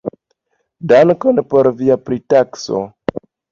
Dankon por via pritakso.